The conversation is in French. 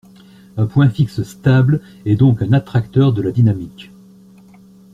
Un point fixe stable est donc un attracteur de la dynamique